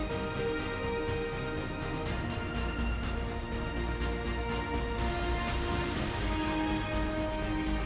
harus sabar menjabat